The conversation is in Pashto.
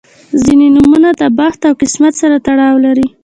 • ځینې نومونه د بخت او قسمت سره تړاو لري.